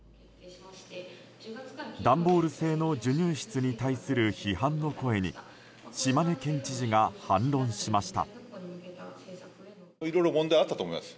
段ボール製の授乳室に対する批判の声に島根県知事が反論しました。